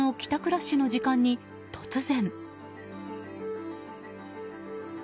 ラッシュの時間に突然。